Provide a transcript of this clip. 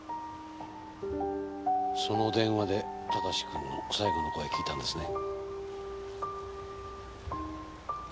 その電話で孝志君の最後の声聞いたんですね。